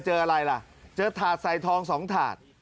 เจออะไรล่ะเจอถาดใส่ทอง๒ถาด